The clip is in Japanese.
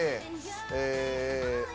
え。